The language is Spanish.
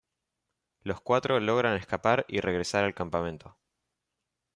Los cuatro logran escapar y regresar al campamento.